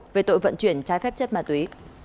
về tội vận chuyển trái phép chất ma túy